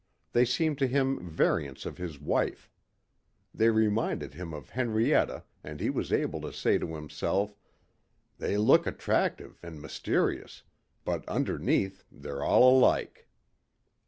They seemed to him variants of his wife. They reminded him of Henrietta and he was able to say to himself, "They look attractive and mysterious. But underneath, they're all alike."